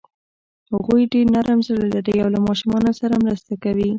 هغوی ډېر نرم زړه لري او له ماشومانو سره مرسته کوي.